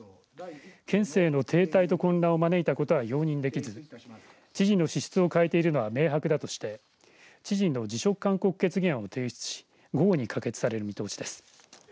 県政の停滞と混乱を招いたことは容認できず知事の資質を欠いているのは明白だとして知事の辞職勧告決議案を提出し午後に可決される見通しです。